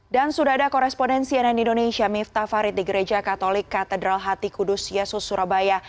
dan sudah ada korespondensi yang ada di indonesia miftah farid di gereja katolik katedral hati kudus yesus surabaya